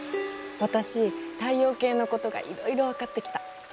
私太陽系のことがいろいろ分かってきた。